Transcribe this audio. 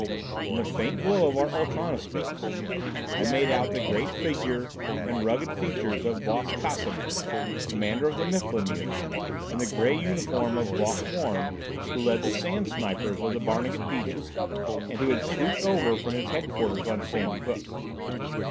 In the faint glow of our ultronolamps, I made out the great figure and rugged features of Boss Casaman, commander of the Mifflin unit, and the gray uniform of Boss Warn, who led the Sandsnipers of the Barnegat Beaches, and who had swooped over from his headquarters on Sandy Hook.